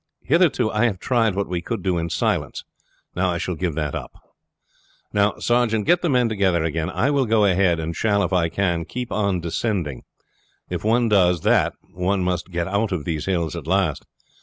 Hitherto I have tried what we could do in silence. Now I shall give that up. Now, sergeant, get the men together again. I will go ahead, and shall, if I can, keep on descending. If one does that one must get out of these hills at last.